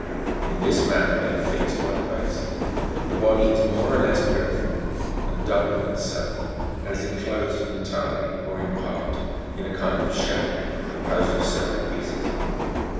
In this man ner they are fixed by the base. The body is more or less pyri form and doubled on itself, and is enclosed entirely, or in part, in a kind of shell composed of several pieces.